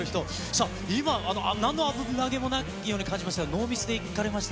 さあ、今、なんの危なげもないように感じましたけど、ノーミスでいかれました？